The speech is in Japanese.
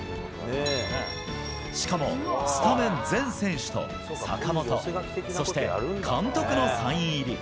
しかも、スタメン全選手と坂本、そして監督のサイン入り。